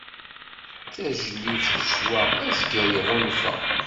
Tajlibt teswa, azger iɣunfa.